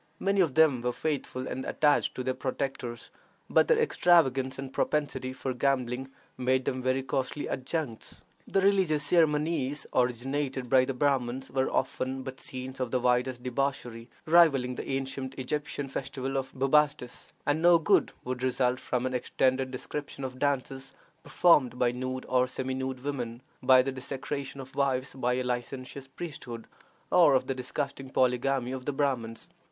Many of them were faithful and attached to their protectors, but their extravagance and propensity for gambling made them very costly adjuncts. The religious ceremonies originated by the Brahmins were often but scenes of the wildest debauchery, rivaling the ancient Egyptian festival of Bubastis, and no good would result from an extended description of dances performed by nude or semi nude women, of the desecration of wives by a licentious priesthood, or of the disgusting polygamy of the Brahmins.